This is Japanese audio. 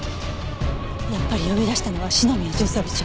やっぱり呼び出したのは篠宮巡査部長。